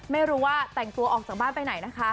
ไม่รู้ว่าแต่งตัวออกจากบ้านไปไหนนะคะ